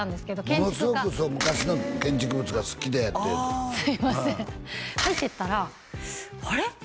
ものすごく昔の建築物が好きでってああすいません入っていったらあれ？